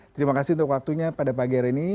terima kasih untuk waktunya pada pagi hari ini